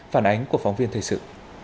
phản ánh của phóng viên thời sự